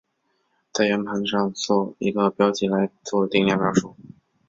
在圆盘上做一个标记来做定量描述。